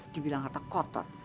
dibilang harta kotor